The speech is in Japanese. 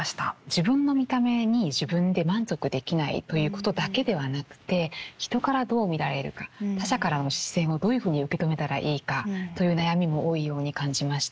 自分の見た目に自分で満足できないということだけではなくて人からどう見られるか他者からの視線をどういうふうに受け止めたらいいかという悩みも多いように感じました。